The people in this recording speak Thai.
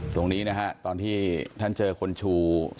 ตรงนี้นะฮะตอนที่ท่านเจอคนชู